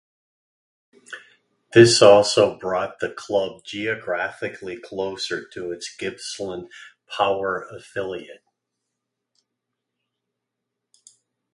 This also brought the club geographically closer to its Gippsland Power affiliate.